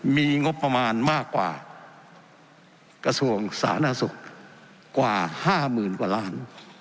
มีงบประมาณมากกว่ากระทรวงสาหนะศุกร์กว่าห้าหมื่นกว่าล้าน